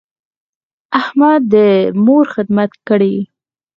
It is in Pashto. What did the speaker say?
احمد د مور خدمت کړی.